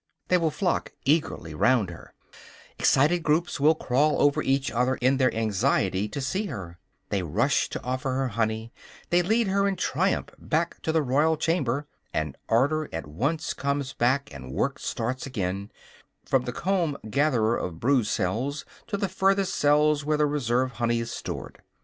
They will flock eagerly round her; excited groups will crawl over each other in their anxiety to see her. They rush to offer her honey, and lead her in triumph back to the royal chamber. And order at once comes back and work starts again, from the comb gatherer of brood cells to the furthest cells where the reserve honey is stored.